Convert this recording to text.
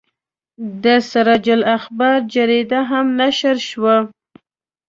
د سراج الاخبار جریده هم نشر شوه.